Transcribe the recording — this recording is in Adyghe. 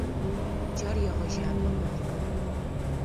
Джар егъэжьапӏэ мэхъу.